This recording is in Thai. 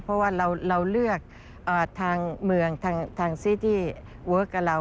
เพราะว่าเราเลือกทางเมืองทางเมือง